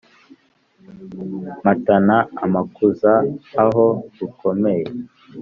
Mpatana amakuza aho rukomeye